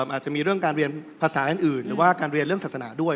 อาจจะมีเรื่องการเรียนภาษาอื่นหรือว่าการเรียนเรื่องศาสนาด้วย